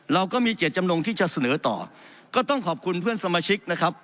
เราก็มีเจตจำนงที่จะเสนอต่อก็ต้องขอบคุณเพื่อนสมาชิกนะครับ